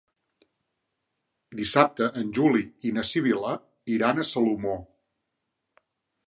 Dissabte en Juli i na Sibil·la iran a Salomó.